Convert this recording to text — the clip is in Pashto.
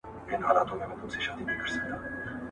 دلته چا په ویښه نه دی ازمېیلی !.